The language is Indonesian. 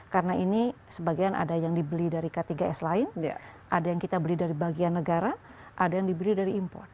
karena ini sebagian ada yang dibeli dari k tiga s lain ada yang kita beli dari bagian negara ada yang dibeli dari import